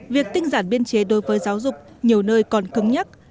việc tinh giản biên chế đối với giáo dục nhiều nơi còn cứng nhắc